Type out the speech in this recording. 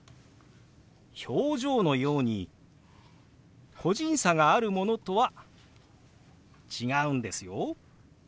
表情のように個人差があるものとは違うんですよ。